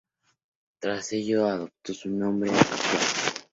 Tras ello adoptó su nombre actual.